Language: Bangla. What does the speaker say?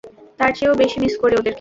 তার চেয়েও বেশি মিস করি ওদেরকে।